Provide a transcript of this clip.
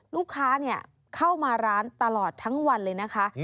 ลูกค้าเข้ามาร้านตลอดทั้งวันเลยนะคะ